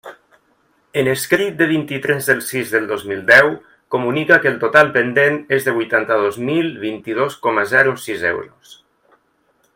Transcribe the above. En escrit de vint-i-tres del sis del dos mil deu, comunica que el total pendent és de huitanta-dos mil vint-i-dos coma zero sis euros.